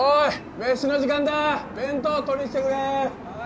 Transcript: メシの時間だ弁当取りにきてくれはい